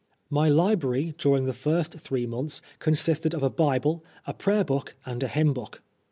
My library, during the first three months, consisted of a Bible, a Prayer Book and a Hymn Book.